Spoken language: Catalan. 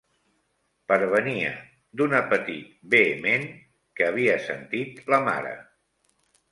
Pervenia d'un apetit vehement que havia sentit la mare.